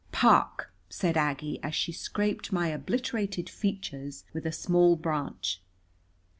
"Park!" said Aggie as she scraped my obliterated features with a small branch.